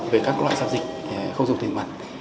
về các loại giao dịch không dùng tiền mặt